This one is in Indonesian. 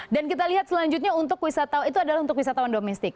dan kita lihat selanjutnya untuk wisatawan domestik